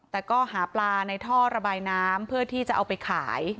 แต่ก็หาปลาในท่อระบายน้ำเพื่อที่จะเอาไปขาย